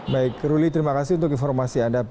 baik ruli terima kasih untuk informasi anda